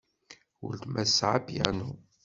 Weltma tesɛa apyanu.